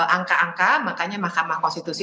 angka angka makanya mahkamah konstitusi